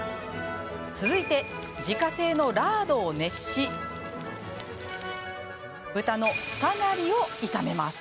続いて、自家製のラードを熱し豚のサガリを炒めます。